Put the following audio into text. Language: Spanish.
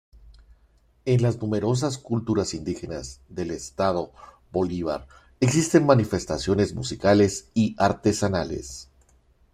En las numerosas culturas indígenas del Estado Bolívar, existen manifestaciones musicales y artesanales.